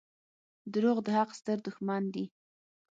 • دروغ د حق ستر دښمن دي.